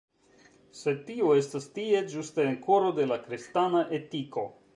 Sed tiu estas tie, ĝuste en “koro de la kristana etiko”.